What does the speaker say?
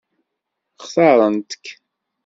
Xtaṛent-k?